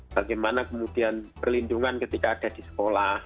bagaimana kemudian perlindungan ketika ada di sekolah